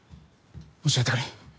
教えてくれ。